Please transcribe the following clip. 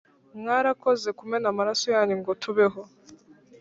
Mwarakoze kumena amaraso yanyu ngo tubeho